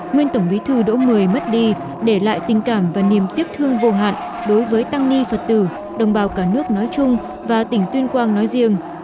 nguyên tổng bí thư đỗ mười mất đi để lại tình cảm và niềm tiếc thương vô hạn đối với tăng ni phật tử đồng bào cả nước nói chung và tỉnh tuyên quang nói riêng